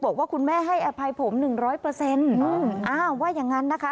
บอกว่าคุณแม่ให้อภัยผมหนึ่งร้อยเปอร์เซ็นต์อ้าวว่าอย่างนั้นนะคะ